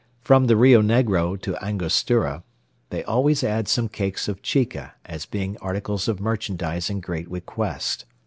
from the Rio Negro to Angostura, they always add some cakes of chica, as being articles of merchandise in great request.